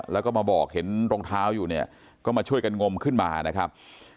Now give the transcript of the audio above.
แล้วก็มาบอกเห็นรองเท้าอยู่เนี่ยก็มาช่วยกันงมขึ้นมานะครับ